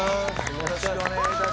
よろしくお願いします。